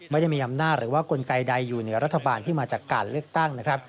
ไม่ได้มีอำนาจหรือว่ากลไกใดอยู่เหนือรัฐบาลที่มาจากการเลือกตั้งนะครับ